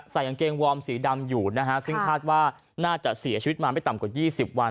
กางเกงวอร์มสีดำอยู่นะฮะซึ่งคาดว่าน่าจะเสียชีวิตมาไม่ต่ำกว่า๒๐วัน